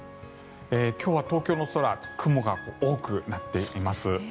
今日は東京の空雲が多くなっています。